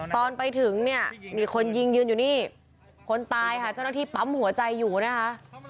ตอนไปถึงเนี่ยมีคนยิงยืนอยู่นี่คนตายค่ะเจ้าหน้าที่ปั๊มหัวใจอยู่นะคะ